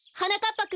ぱくん